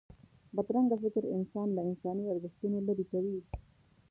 بدرنګه فکر انسان له انساني ارزښتونو لرې کوي